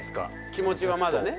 気持ちはまだね。